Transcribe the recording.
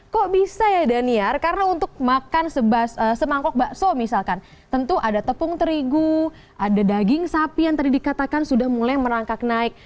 kok bisa ya daniar karena untuk makan semangkok bakso misalkan tentu ada tepung terigu ada daging sapi yang tadi dikatakan sudah mulai merangkak naik